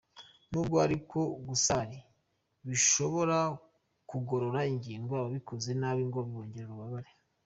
Nubwo ariko gusari bishobora kugorora ingingo, ababikoze nabi ngo bibongerera ububabare.